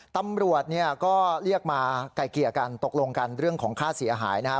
ตำรวจเนี่ยก็เรียกมาไก่เกลี่ยกันตกลงกันเรื่องของค่าเสียหายนะครับ